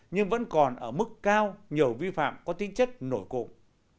nhưng vẫn còn ở mức cao nhiều vi phạm có tính chất nổi cục